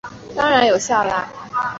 当然有效！